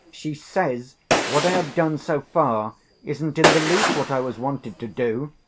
She says what I have done so far isn't in the least what I was wanted to do.